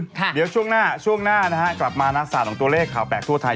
พักให้เจอสักครู่หนึ่งช่วงหน้ากลับมานักศึกษาหลงตัวเลขข่าวแปลกทั่วไทย